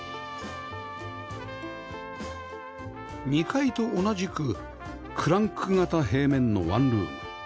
２階と同じくクランク形平面のワンルーム